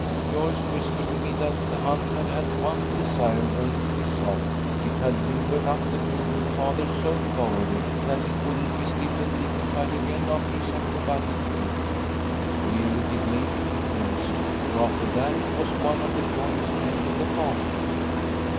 "Joyce whispered to me that the hunt had had one desirable result. It had limbered up the Pilgrim Father so thoroughly, that he couldn't be stiff and dignified again after his acrobatic feat. It really did make a difference, for after that he was one of the jolliest men in the party.